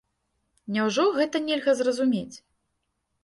Няўжо гэта нельга зразумець.